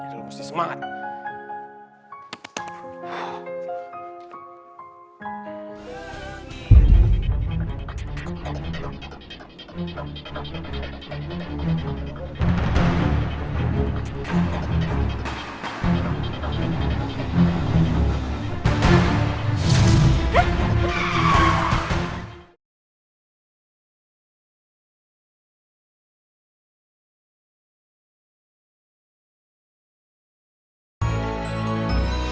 lu mesti semangat